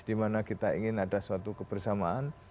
dimana kita ingin ada suatu kebersamaan